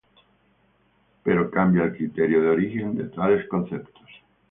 Pero cambia el criterio de origen de tales conceptos.